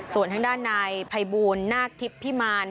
ส่วนทางด้านนายภัยบูลนาคทิพย์พิมาร